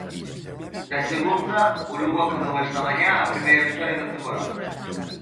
Na segunda, o Lugo acadou esta mañá a primeira vitoria da temporada.